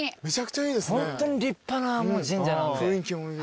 ホントに立派な神社なんで。